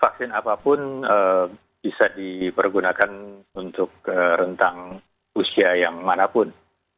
vaksin apapun bisa dipergunakan untuk rentang usia yang manapun